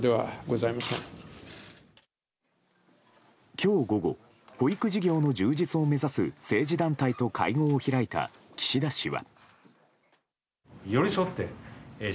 今日午後保育事業の充実を目指す政治団体と会合を開いた岸田氏は。